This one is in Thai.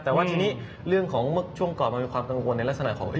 แต่ว่าทีนี้เรื่องของเมื่อช่วงก่อนมันมีความกังวลในลักษณะของ